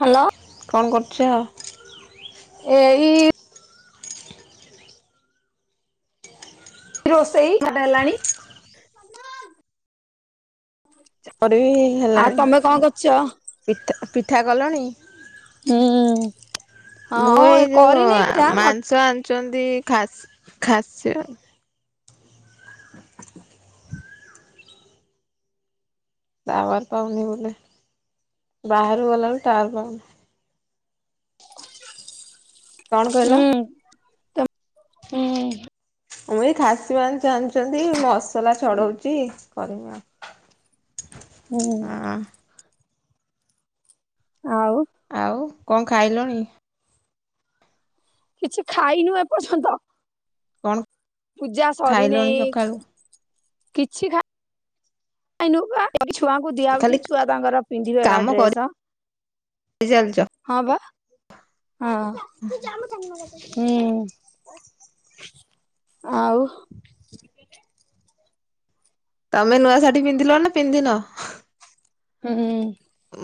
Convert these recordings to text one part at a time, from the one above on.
Hello. କଣ କରୁଥିଲ? ଏଇ ରୋଷେଇାଟ ହେଲାଣି [unintelligible] ଆମର ବି ଆଉ ତମେ କଣ ହେଲାଣି କରୁଛ? ପିଠା ପିଠା କଲଣି? ମୁଁ ହଁ ଏଇ ଯୋଉ କରିନେଇ ପିଠା ମ ମାଂସ ଛନ୍ତି ଖାସ ଖାସ୍ [inaudible] ଟାୱାର ପାଉନି ବୋଧେ, ବାହାରକୁ ଗଲା ବେଳେ ଟାୱାର ପାଉନି। କଣ କହିଲ? ହୁଁ ତ ହୁଁ। ମୁଁ ଏ ଖାସି ମାଂସ ଆଣିଚନ୍ତି ମସଲା ଛଡଉଚି କରିବା ଆଉ। ହୁଁ। ହଁ ଆଉ ଆଉ କଣ ଖାଇଲଣି? କିଛି ଖାଇନୁ ଏପର୍ଯ୍ୟନ୍ତ। କଣ? ପୂଜା ଖାଇଲଣି ସରିନେଇ ସକାଳୁ? କିଛି ଖା [unintelligible] ଛୁଆଙ୍କୁ ଦିଆହୋଉଚି ଖାଲି ଛୁଆ ତାଙ୍କର ପିନ୍ଧିବେ ବା କାମ କରି ଡ୍ରେସ୍। ଚାଲିଛ। ହଁ ବା ହଁ। ହୁଁ ଆଉ ତମେ ନୂଆ ଶାଢୀ ପିନ୍ଧିଲ ନା ପିନ୍ଧିନ? ହୁଁ।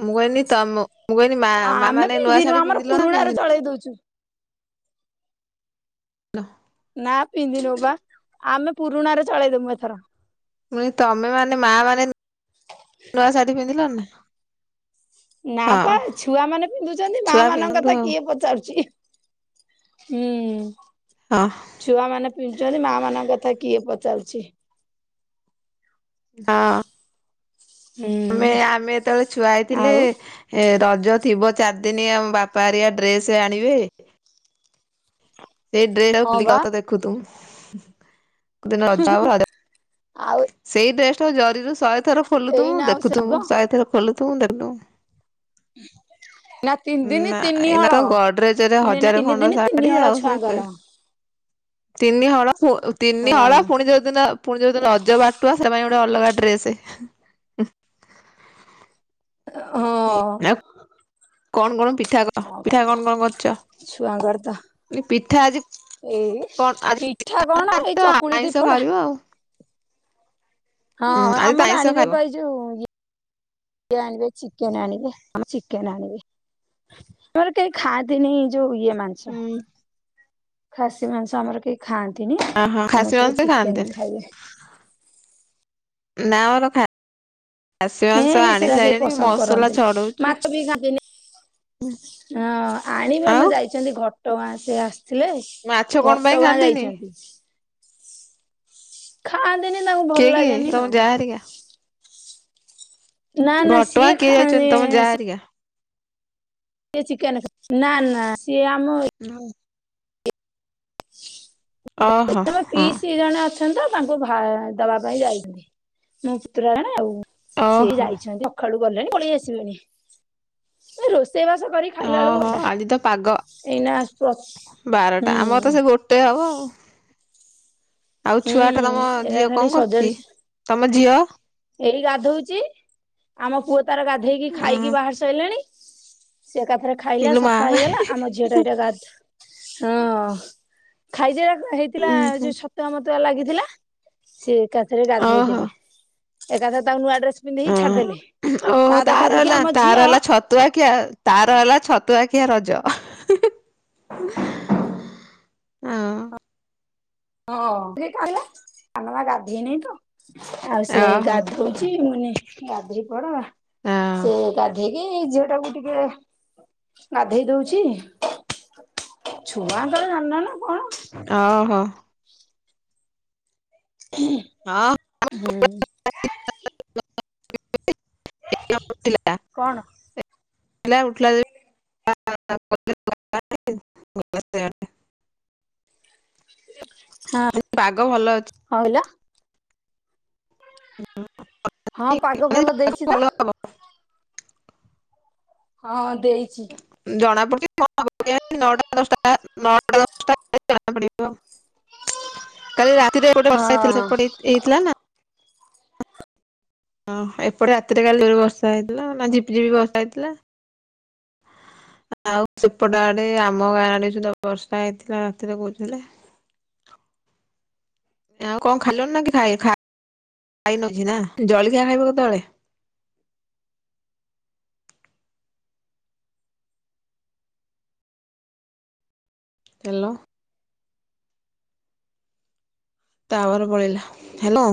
ମୁଁ କହିଲି ତମ ମୁଁ କହିଲି ମା ମା ଆମେ ମାନେ ନୂଆ ପିନ୍ଧିନୁ ଶାଢୀ ଆମର ପିନ୍ଧିଲ ନା ପୁରୁଣା ପିନ୍ଧିନ? ର ଚଳେଇ ଦୋଉଚୁ। [unintelligible] ନା ପିନ୍ଧିନୁ ବା ଆମେ ପୁରୁଣାରେ ଚଳେଇଦମୁ ଏଥର। ପୁଣି ତମେ ମାନେ ମା ମାନେ ନୂଆ ଶାଢୀ ପିନ୍ଧିଲଣି ନାଁ? ନା ପା ଛୁଆ ମାନେ ପିନ୍ଧୁଚନ୍ତି ମା ଛୁଆ ମାନଙ୍କ ପିନ୍ଧନ୍ତୁ କଥା ଆଉ କିଏ ପଚାରୁଚି? ହୁଁ। ହଁ। ଛୁଆ ମାନେ ପିନ୍ଧୁଚନ୍ତି ମା ମାନଙ୍କ କଥା କିଏ ପଚାରୁଚି? ହଁ। ହୁଁ ଆମେ ଆମେ ଯେତେବେଳେ ଛୁଆ ହେଇଥିଲେ ଆଉ ଏ ରଜ ଥିବ ଚାରିଦିନି ଆମ ବାପା ହରିଆ ଡ୍ରେସ ଆଣିବେ ସେଇ ଡ୍ରେସ ଆଉ ହଁ ବା [unintelligible] ଦେଖୁଥିବୁ ଯଦି ନହବ ଆଉ ସେଇ ଡ୍ରେସଟା ଜରିରୁ ଶହେଥର ଖୋଲୁଥିବୁ ଏଇନା ଆଉ ସେ ଗ ଦେଖୁଥିବୁ ଶହେ ଥର ଖୋଲୁଥିବୁ ଦେଖୁଥିବୁ। ନା ତିନି ଦିନ ନା ତିନି ଏଇନା ହଳ ତ ଗଡରେଜରେ ମାନେ ଏଇନା ହଜାର ତିନି ଖଣ୍ଡ ଦିନ ତିନି ଶାଢୀ ହଳ ଆଉ ସେ ଛୁଆଙ୍କର ତିନି ହଳ ଫୁ ହଁ ତିନି ହଳ ଫୁଣି ଯୋଉଦିନ ପୁଣି ଯୋଉଦିନ ରଜ ବା ଟୁ ଆସିବା ପାଇଁ ଗୋଟେ ଅଲଗା ଡ୍ରେସ। ହଁ। [unintelligible] କଣ କଣ ପି ପିଠା କ ପିଠା କଣ କଣ କରିଚ? ଛୁଆଙ୍କର ତ ପିଠା ଆଜି ଏଇ କଣ ପିଠା କଣ ଏଇ [unintelligible] ଚକୁଳି ଦି ଆଇଁଷ ଫଡା ଘାରିବ ଆଉ। ହଁ ହୁଁ ଆଜି ତ ଆମର ଆଇଁଷ ଆଣିବେ ଖାଇବ। ପା ଯୋଉ ଇଏ ଆଣିବେ ଚିକେନ ଆଣିବେ ଆମ ଚିକେନ ଆଣିବେ। ଆମର କେହି ଖାଆନ୍ତିନି ଯୋଉ ଇଏ ମାଂସ। ହୁଁ ଖାସି ମାଂସ ଆମର କେହି ଖାଆନ୍ତିନି ଓହୋ ଖାସି ଆମର ସବୁ ମାଂସ ଚିକେନ ଖାଆନ୍ତିନି ଖାଇବେ। ନା ଆମର ଖା ଖାସି ମାଂସ ହେଁ ଆଣି ସେରା କେହି ସାଇଲେଣି ପସନ୍ଦ ମସଲା କରନ୍ତିନି ଛଡଉଚି। ମାଛ ବି ଖାଆନ୍ତିନି। ହଁ ଆଣିବେ ଆଉ ଆମର ଯାଇଚନ୍ତି ଘଟଗାଁ ସେ ଆସ୍ ମାଛ ଆସି। କଣ ପାଇଁ ଘଟଗାଁ ଖାଆନ୍ତିନି? ଯାଇଚନ୍ତି। ଖାଆନ୍ତିନି ତାଙ୍କୁ କିଏ ଭଲ କିଏ ଲାଗେନି ତମ ଆଉ। ଯା ହେରିକା ନା ନା ଘଟଗାଁ ସିଏ କିଏ ଖାଆନ୍ତି ଯାଇଚନ୍ତି? ତମ ଯା ହେରିକା। ସିଏ ଚିକେନ ନା ନା ସିଏ ଆମ [unintelligible] ଓହୋ ଏ ମୋ ହଁ ପିଇସି ଜଣେ ଅଛ ନ୍ତି ତ। ତାଙ୍କୁ ଭା ତା ବାବା ବି ଯାଇଛନ୍ତି। ମୋ ପୁତୁରା ଜଣେ ଆଉ ସିଏ ଓହୋ ଯାଇଛନ୍ତି। ସଖାଳୁ ଗଲେଣି ପଳେଇ ଆସିବେଣିି। ଏ ରୋଷେଇ ବାସ କରି ଖାଇଲା ବେଳକୁ ଓହୋ। ବାରଟା ଆଜି ତ ପାଗ ଏଇନା ପ୍ର ହୁଁ ବାରଟା ଆମର ତ ସେ ଗୋ ଟେ ହବ ଆଉ। ଆଉ ହୁଁ ଛୁଆ ଟା ତମ ଏରା ଝିଅ ଖାଲି କଣ ସଜାଡି କରୁଚି? ତମ ଝିଅ। ଏଇ ଗାଧଉଚି। ଆମ ପୁଅ ତାର ଗାଧେଇକି ଖାଇକି ଉଁ ବାହାର ସଇଲାଣି। ସେ ଏକାଥରେ ଖାଇଲା ଇଲୋ ମା ସଫା ହେଇଗଲା। ଆମ ଝିଅ ଟା ଏଇଟା ଗାଧ ହଁ ଖାଇଜା ହେଇଥିଲା ଉଁ ହୁଁ ଯୋଉ ଛତୁଆ ମ ମତୁଆ ଲାଗିଥିଲା, ସିଏ ଏକାଥରେ ଓହୋ ଗାଧେଇଦେଲି। ଏକାଥରେ ତାକୁ ନୂଆ ଡ୍ରେସ ପିନ୍ଧେଇକି ଓହୋ ଛାଡିଦେଲି। ଓହୋ ତା ଦେଖା ତାର ଦେଖି ହେଲା ଆମ ତାର ଝିଅ ହେଲା ଛତୁଆଖିଆ ତାର ହେଲା ଛତୁଆଖିଆ ରଜ। ହଁ। ହଁ [unintelligible] ସାନମା ଗାଧୋଇନି ତ ଆଉ ସେ ଓହୋ ଗାଧ୍ ଉଚି, ମୁନି ଗାଧେଇ ପଡ ହଁ ସେ ଗାଧେଇକି ଝିଅ ଟାକୁ ଟିକେ ଗାଧେଇ ଦଉଚି। ଛୁଆ ଙ୍କର ଜାନିନ ନା କଣ। ଅ ହ। [inaudible] ହଁ। ହୁଁ। [unintelligible] [unintelligible] ଉଠିଲା। କଣ ହଁ [unintelligible] [unintelligible] ପାଗ ଭଲ ଅଛି। କଣ କହିଲ? ହଁ ପାଗ ମାନେ ଭଲ ପାଗ ଦେଇଚି ତ। ହବ ହଁ ଦେଇଚି। ଜଣାପଡ଼ୁଚି କଣ ହବ କେଜାଣି। ନଅଟା ଦଶଟା ନଅଟା ଦଶଟା [unintelligible] କାଲି ରାତିରେ ଏପଟେ ବର୍ଷା ହେଇଥିଲା ହଁ। ସେପଟ ହେଇଥିଲା ନା? ଅ ଏପଟେ ରାତିରେ କାଲି ଜୋରେ ବର୍ଷା ହେଇଥିଲା। ନା ଝିପିଝିପି ବର୍ଷା ହେଇଥିଲା। ଆଉ ସେପଟ ଆଡେ ଆମ ଗାଁ ଆଡେ ସୁଧା ବର୍ଷା ହେଇଥିଲା ରାତିରେ କହୁଥିଲେ। ଆଉ କଣ ଖାଇଲଣି ନା କି ଖାଇ ଖାଇନ କିଛି ନା। ଜଳଖିଆ ଖାଇବ କେତେବେଳେ? ହ୍ୟାଲୋ। ଟାୱାର ପଳେଇଲା। ହ୍ୟାଲୋ।